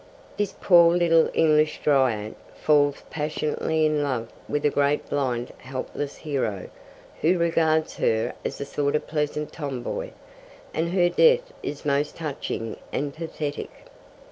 This poor little English Dryad falls passionately in love with a great blind helpless hero, who regards her as a sort of pleasant tom boy; and her death is most touching and pathetic.